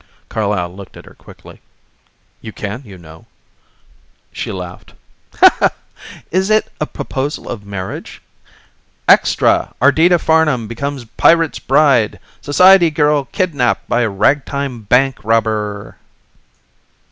Carlyle looked at her quickly. "You can, you know." She laughed. "Is it a proposal of marriage? Extra! Ardita Farnam becomes pirate's bride. Society girl kidnapped by ragtime bank robber."